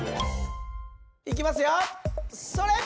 いきますよそれっ！